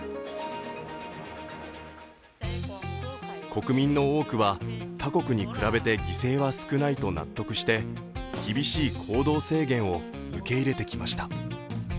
国民の多くは他国に比べて犠牲は少ないと納得して厳しい行動制限を受け入れてきました。